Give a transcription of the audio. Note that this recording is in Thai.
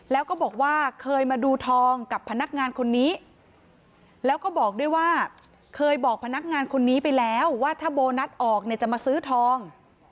แล้วก็บอกว่าเคยมาดูทองกับพนักงานคนนี้แล้วก็บอกด้วยว่าเคยบอกพนักงานคนนี้ไปแล้วว่าถ้าโบนัสออกเนี่ยจะมาซื้อทอง